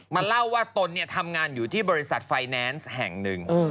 เล่าว่าตนทำงานอยู่ที่บริษัทไฟแนนซ์แห่งหนึ่ง